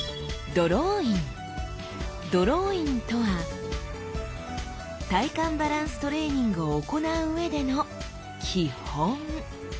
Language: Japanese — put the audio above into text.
ドローインとは体幹バランストレーニングを行う上での基本。